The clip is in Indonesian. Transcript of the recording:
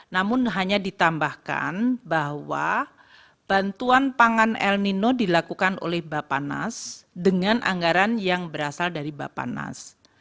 namun hanya ditambahkan bahwa bantuan pangan el nino dilakukan oleh bapak nas dengan anggaran yang berasal dari bapak nas